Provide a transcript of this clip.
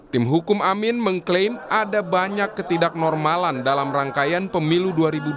tim hukum amin mengklaim ada banyak ketidaknormalan dalam rangkaian pemilu dua ribu dua puluh